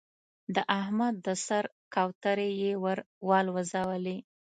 د احمد د سر کوترې يې ور والوزولې.